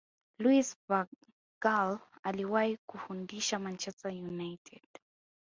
louis van gaal aliwahi kufundisha manchester united